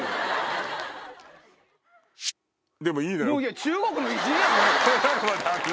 でもいいのよ。